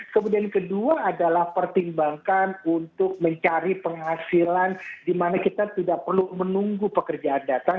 kemudian kedua adalah pertimbangkan untuk mencari penghasilan di mana kita tidak perlu menunggu pekerjaan datang